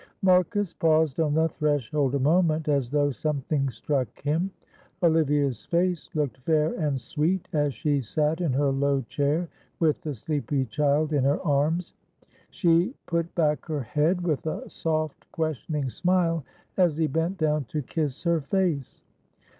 Marcus paused on the threshold a moment as though something struck him. Olivia's face looked fair and sweet as she sat in her low chair with the sleepy child in her arms. She put back her head with a soft questioning smile as he bent down to kiss her face.